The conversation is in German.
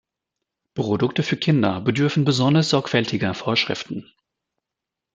Produkte für Kinder bedürfen besonders sorgfältiger Vorschriften.